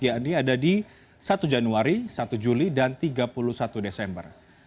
yaitu satu januari satu juli dan tiga puluh satu desember